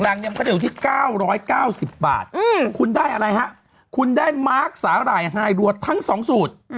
เนี่ยมันก็จะอยู่ที่๙๙๐บาทคุณได้อะไรฮะคุณได้มาร์คสาหร่ายไฮรัวทั้ง๒สูตร